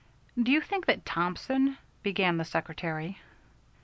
"Do you think that Thompson " began the secretary.